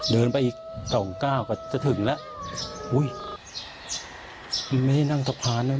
เดินไปอีกสองก้าวกว่าจะถึงแล้วอุ้ยมันไม่ได้นั่งสะพานแล้ว